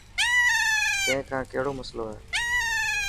تين کان ڪهڙو مصلو هي.